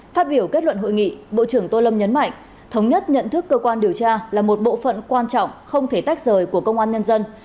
phát biểu kết luận hội nghị bộ trưởng tô lâm nhấn mạnh thống nhất nhận thức cơ quan điều tra là một bộ phận quan trọng không thể tách rời của công an nhân dân